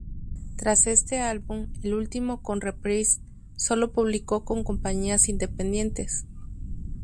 Tras este álbum, el último con Reprise, solo publicó con compañías independientes.